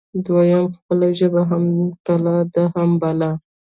دویم: خپله ژبه هم کلا ده هم بلا